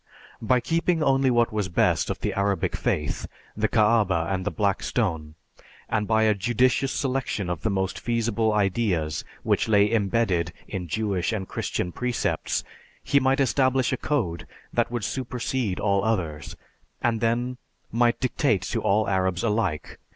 By keeping only what was best of the Arabic faith, the Kaaba and the Black Stone, and by a judicious selection of the most feasible ideas which lay imbedded in Jewish and Christian precepts, he might establish a code that would supersede all others, and then might dictate to all Arabs alike.